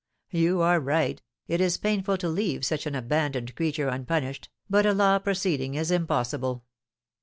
"You are right, it is painful to leave such an abandoned creature unpunished, but a law proceeding is impossible."